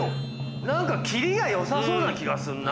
何か切りがよさそうな気がすんな。